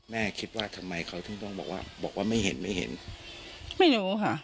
แม่คิดว่าทำไมเขาถึงต้องบอกว่าบอกว่าไม่เห็นไม่เห็นไม่รู้ค่ะ